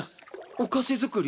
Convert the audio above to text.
お菓子作り？